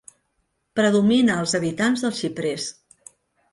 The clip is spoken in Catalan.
Predomina als habitants dels xiprers.